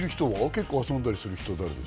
結構遊んだりする人誰ですか？